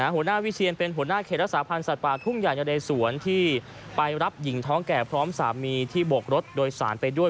หัวหน้าวิเชียนเป็นหัวหน้าเขตรักษาพันธ์สัตว์ป่าทุ่งใหญ่ในเรสวนที่ไปรับหญิงท้องแก่พร้อมสามีที่บกรถโดยสารไปด้วย